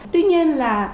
tuy nhiên là